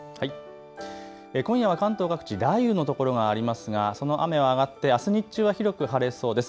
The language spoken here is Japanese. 今夜は関東各地、雷雨の所がありますがその雨は上がってあす日中は広く晴れそうです。